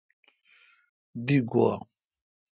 دی گوا۔